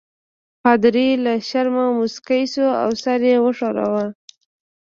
پادري له شرمه مسکی شو او سر یې وښوراوه.